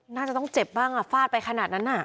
น่าจะต้องเจ็บบ้างฟาดไปขนาดนั้น